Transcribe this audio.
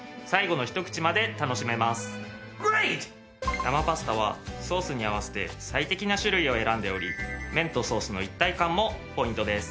生パスタはソースに合わせて最適な種類を選んでおり麺とソースの一体感もポイントです。